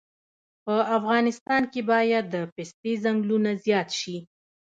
په افغانستان کې باید د پستې ځنګلونه زیات شي